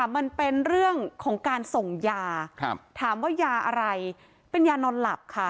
มันเป็นเรื่องของการส่งยาถามว่ายาอะไรเป็นยานอนหลับค่ะ